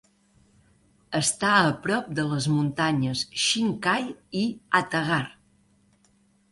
Està a prop de les muntanyes Shinkay i Ata Ghar.